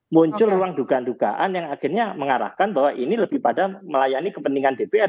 muncul ruang dugaan dugaan yang akhirnya mengarahkan bahwa ini lebih pada melayani kepentingan dpr